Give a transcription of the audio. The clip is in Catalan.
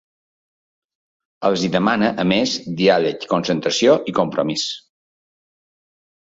Els hi demana, a més, ‘diàleg, concentració i compromís’.